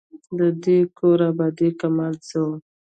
د دې کور آبادۍ کمال څه وو.